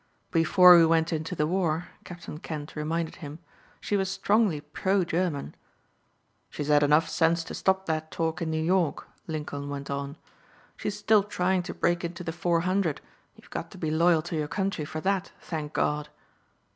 "Before we went into the war," Captain Kent reminded him, "she was strongly pro German." "She's had enough sense to stop that talk in New York," Lincoln went on. "She's still trying to break into the Four Hundred and you've got to be loyal to your country for that, thank God!"